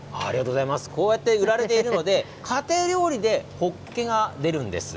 地元では、こうやって売られているので家庭料理でホッケが出るんです。